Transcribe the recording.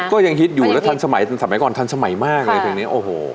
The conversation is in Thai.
ก็ยังฮิตอยู่แล้วทันสมัยสมัยก่อนทันสมัยมากเลยเพลงนี้โอ้โห